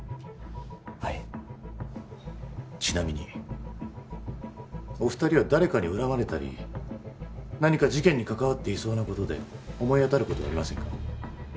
はいちなみにお二人は誰かに恨まれたり何か事件に関わっていそうなことで思い当たることはありませんか？